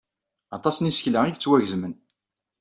Aṭas n yisekla ay yettwagezmen.